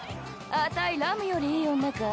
あたいラムよりいい女か？